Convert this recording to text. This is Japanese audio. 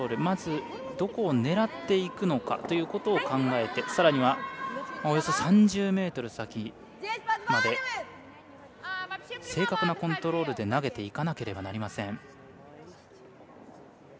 まず、どこを狙っていくのかを考えてさらには、およそ３０ｍ先まで正確なコントロールで投げていかなければなりません。